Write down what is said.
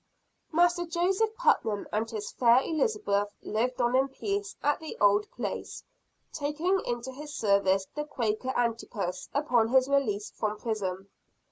Master Joseph Putnam and his fair Elizabeth lived on in peace at the old place; taking into his service the Quaker Antipas upon his release from prison.